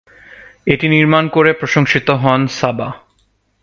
এটি নির্মাণ করে প্রশংসিত হন সাবা।